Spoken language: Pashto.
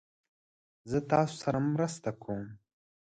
زه تاسو سره مرسته کوم